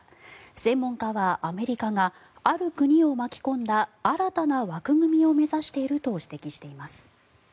専門家はアメリカが、ある国を巻き込んだ新たな枠組みを目指していると指摘しています。